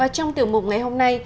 trong tiểu mục ngày hôm nay